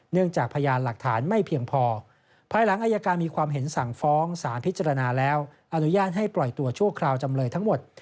จากพยานหลักฐานไม่เพียงพอภายหลังอายการมีความเห็นสั่งฟ้องสารพิจารณาแล้วอนุญาตให้ปล่อยตัวชั่วคราวจำเลยทั้งหมด